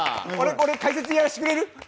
俺、解説やらせてくれる？